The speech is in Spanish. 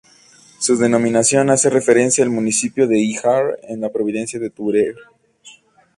Su denominación hace referencia al municipio de Híjar, en la provincia de Teruel.